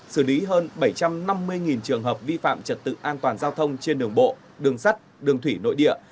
xử lý hơn bảy trăm năm mươi trường hợp vi phạm trật tự an toàn giao thông trên đường bộ đường sắt đường thủy nội địa